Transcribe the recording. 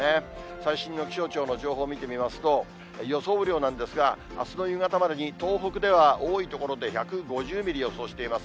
最新の気象庁の情報を見てみますと、予想雨量なんですが、あすの夕方までに、東北では多い所で１５０ミリ予想しています。